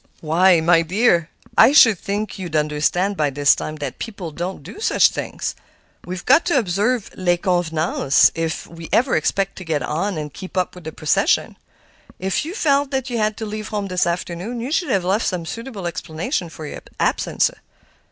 "Why, my dear, I should think you'd understand by this time that people don't do such things; we've got to observe les convenances if we ever expect to get on and keep up with the procession. If you felt that you had to leave home this afternoon, you should have left some suitable explanation for your absence.